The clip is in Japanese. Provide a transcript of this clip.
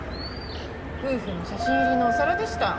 夫婦の写真入りのお皿でした。